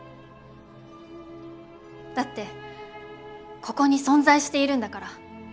だってここに存在しているんだから。